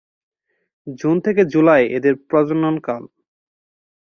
June থেকে July এদের প্রজনন কাল।